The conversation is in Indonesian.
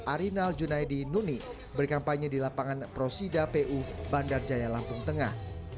arinal junaidi nuni berkampanye di lapangan prosida pu bandar jaya lampung tengah